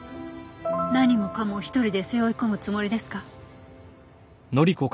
何もかも一人で背負い込むつもりですか？